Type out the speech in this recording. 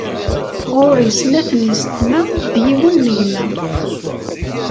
Ɣuṛ-i snat yessetma d yiwen n gma.